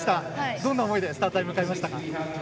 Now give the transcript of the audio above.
どんな思いでスタート台に向かいましたか？